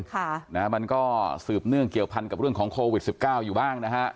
ค่ะนะฮะมันก็สืบเนื่องเกี่ยวพันกับเรื่องของโควิดสิบเก้าอยู่บ้างนะฮะ